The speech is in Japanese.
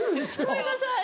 ごめんなさい。